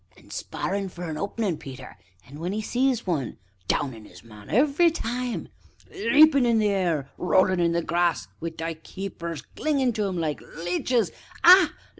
And sparrin' for an openin', Peter, and when 'e sees one downin' 'is man every time ANCIENT. Leapin' in the air, rollin' in the grass, wi' they keepers clingin' to 'im like leeches ah!